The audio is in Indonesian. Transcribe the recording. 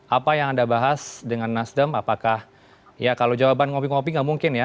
apa yang anda bahas dengan nasdem apakah ya kalau jawaban ngopi ngopi nggak mungkin ya